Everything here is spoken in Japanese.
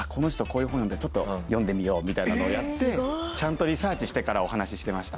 ちょっと読んでみようみたいなのをやってちゃんとリサーチしてからお話ししてました。